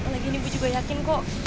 lagian ibu juga yakin kok